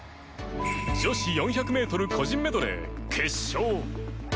女子４００ｍ個人メドレー決勝。